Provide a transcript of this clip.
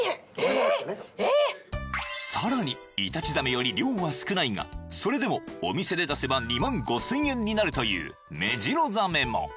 ［さらにイタチザメより量は少ないがそれでもお店で出せば２万５，０００円になるというメジロザメも］